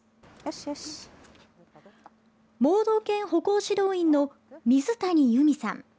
盲導犬歩行指導員の水谷由美さん。